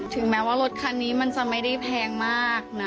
ถึงแม้ว่ารถคันนี้มันจะไม่ได้แพงมากนะ